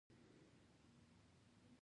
هو يره منګلی چا بوته.